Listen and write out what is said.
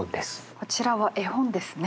こちらは絵本ですね。